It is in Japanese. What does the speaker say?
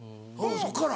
そっから？